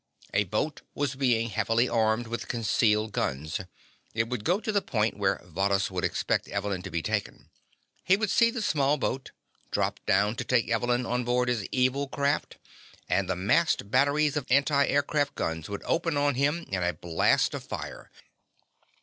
A boat was being heavily armed with concealed guns. It would go to the point where Varrhus would expect Evelyn to be taken. He would see the small boat, drop down to take Evelyn on board his evil craft, and the masked batteries of anti aircraft guns would open on him in a blast of fire.